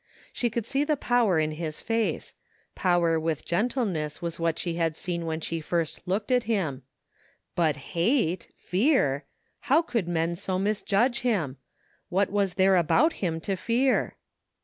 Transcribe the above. She could see the power in his face ; power with gentleness was what she had seen when she first looked at him; but Hatel Fear! How could men so misjudge him? What was there about him to fear?